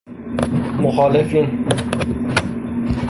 مخالفین